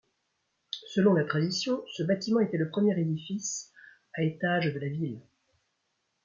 Selon la tradition, ce bâtiment était le premier édifice à étage de la ville.